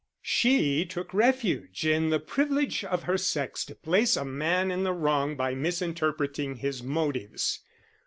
She took refuge in the privilege of her sex to place a man in the wrong by misinterpreting his motives.